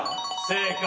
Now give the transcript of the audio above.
正解。